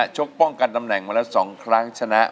ชกป้องกันตำแหน่งมาแล้ว๒ครั้งชนะ